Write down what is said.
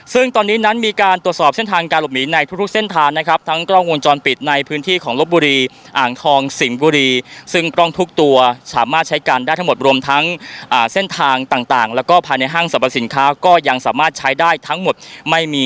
ซึ่งตอนนี้นั้นมีการตรวจสอบเส้นทางการหลบหนีในทุกเส้นทางนะครับทั้งกล้องวงจรปิดในพื้นที่ของลบบุรีอ่างทองสิงห์บุรีซึ่งกล้องทุกตัวสามารถใช้กันได้ทั้งหมดรวมทั้งเส้นทางต่างแล้วก็ภายในห้างสรรพสินค้าก็ยังสามารถใช้ได้ทั้งหมดไม่มี